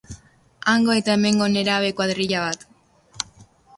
Hango eta hemengo nerabe kuadrilla bat.